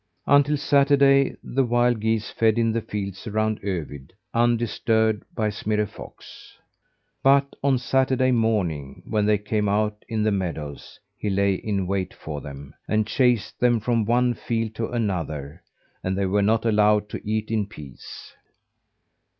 Until Saturday the wild geese fed in the fields around Övid, undisturbed by Smirre Fox. But on Saturday morning, when they came out in the meadows, he lay in wait for them, and chased them from one field to another, and they were not allowed to eat in peace.